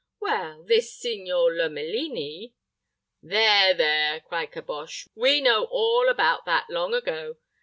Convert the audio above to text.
"Well, this Signor Lomelini " "There, there," cried Caboche; "we know all about that long ago.